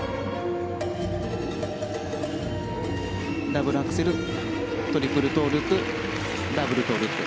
ダブルアクセルトリプルトウループダブルトウループ。